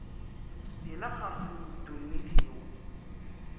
Di laxert n ddunit-iw.